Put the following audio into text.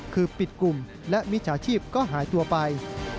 คือปิดกลุ่มและมิจฉาชีพก็หายตัวไป